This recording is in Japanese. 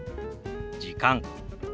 「時間」。